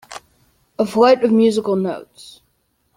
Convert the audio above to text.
A flight of musical notes.